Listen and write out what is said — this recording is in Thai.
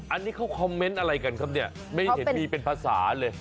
อันนี้เขาคอมเมนต์อะไรกันครับเนี่ยไม่เห็นมีเป็นภาษาเลย